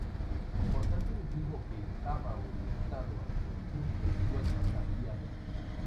El portal primitivo, que estaba orientado hacia el sur, se encuentra tapiado.